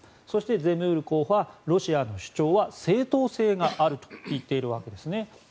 そしてゼムール候補はロシアの主張は正当性があると言っているわけです。